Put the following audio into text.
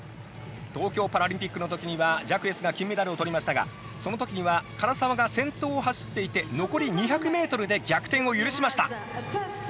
東京パラリンピックの時にはジャクエスが金メダルを取りましたがその時には唐澤が先頭を走っていて残り２００ｍで逆転を許しました。